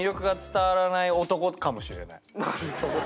なるほど。